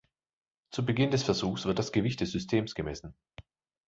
Zu Beginn des Versuchs wird das Gewicht des Systems gemessen.